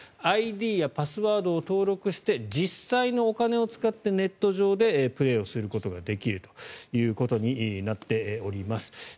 ＩＤやパスワードを登録して実際のお金を使ってネット上でプレーすることができるということになっています。